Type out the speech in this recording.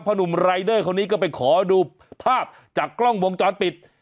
หนุ่มรายเดอร์คนนี้ก็ไปขอดูภาพจากกล้องวงจรปิด